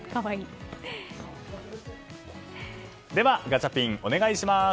ではガチャピン、お願いします。